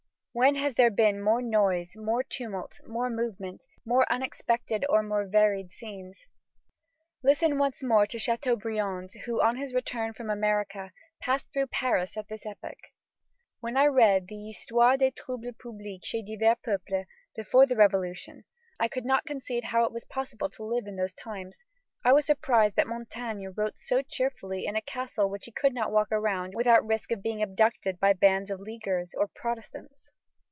When has there been more noise, more tumult, more movement, more unexpected or more varied scenes? Listen once more to Chateaubriand who, on his return from America, passed through Paris at this epoch: "When I read the Histoire des troubles publics ches divers peuples before the Revolution, I could not conceive how it was possible to live in those times. I was surprised that Montaigne wrote so cheerfully in a castle which he could not walk around without risk of being abducted by bands of Leaguers or Protestants.